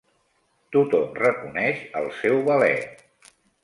Tothom reconeix el seu valer.